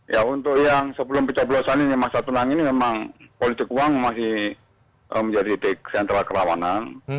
ya untuk yang sebelum pencoblosan ini masa tenang ini memang politik uang masih menjadi titik sentra kerawanan